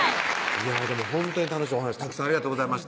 いやでもほんとに楽しいお話たくさんありがとうございました